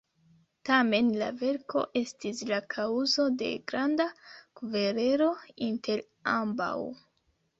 Tamen la verko estis la kaŭzo de granda kverelo inter ambaŭ.